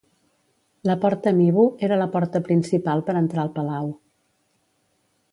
La porta Mibu era la porta principal per entrar al palau.